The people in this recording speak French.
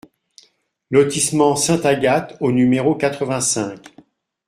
Lotissement Sainte-Agathe au numéro quatre-vingt-cinq